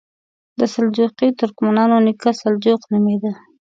د سلجوقي ترکمنانو نیکه سلجوق نومېده.